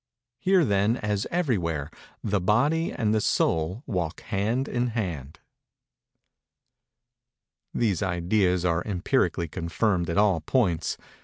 Here, then, as everywhere, the Body and the Soul walk hand in hand. See page 70. These ideas are empirically confirmed at all points.